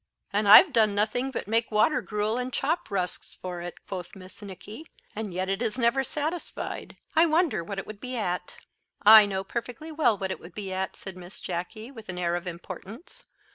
"And I've done nothing but make water gruel and chop rusks for it," quoth Miss Nicky, "and yet it is never satisfied; I wonder what it would be at." "I know perfectly well what it would be at," said Miss Jacky, with an air of importance.